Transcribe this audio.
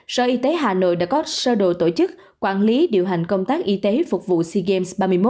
sở y tế hà nội đã có sơ đồ tổ chức quản lý điều hành công tác y tế phục vụ sea games ba mươi một